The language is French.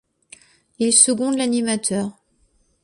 Ils secondent l'animateur.